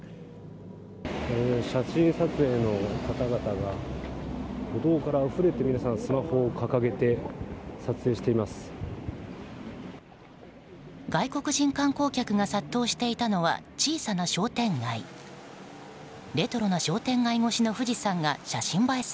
写真撮影の方々が歩道からあふれて皆さん、スマホを掲げて撮影しています。